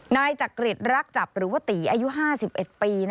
นายจักริตรักจับหรือว่าตีอายุ๕๑ปี